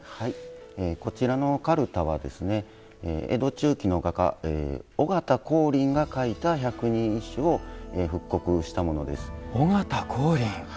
こちらのかるたは江戸中期の画家尾形光琳が描いた百人一首を復刻したものです。